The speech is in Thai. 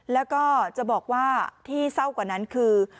แล้วก็จะบอกว่าที่เศร้ากว่านั้นคือ